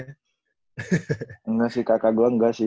enggak sih kakak gua enggak sih